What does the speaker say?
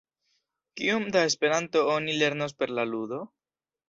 Kiom da Esperanto oni lernos per la ludo?